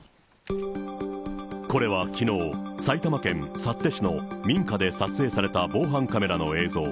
これはきのう、埼玉県幸手市の民家で撮影された防犯カメラの映像。